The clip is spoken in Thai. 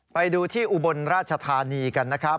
ไปดูที่อุบลราชธานีกันนะครับ